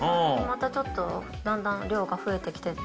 またちょっとだんだん量が増えてきて。